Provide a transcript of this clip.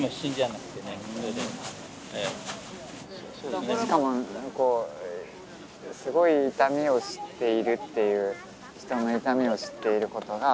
しかもこうすごい痛みを知っているっていう人の痛みを知っていることがなんか逆に